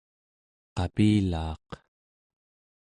qapilaaq